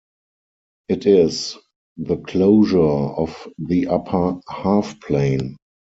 It is the closure of the upper half-plane.